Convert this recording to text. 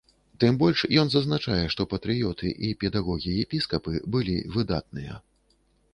Тым больш ён зазначае, што патрыёты і педагогі епіскапы былі выдатныя.